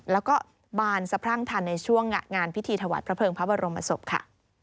แล้วก็บานสะพรั่งทันในช่วงงานพิธีถวายพระเภิงพระบรมศพค่ะ